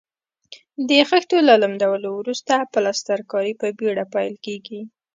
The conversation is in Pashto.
د خښتو له لمدولو وروسته پلسترکاري په بېړه پیل کیږي.